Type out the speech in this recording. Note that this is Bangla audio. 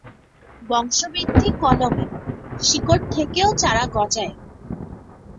বংশবৃদ্ধি কলমে, শিকড় থেকেও চারা গজায়।